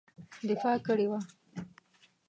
دفاع کړې وه.